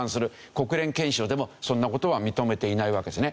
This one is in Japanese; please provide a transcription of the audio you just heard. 国連憲章でもそんな事は認めていないわけですね。